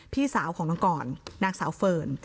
พี่สาวของน้องกรนางสาวเฟิร์น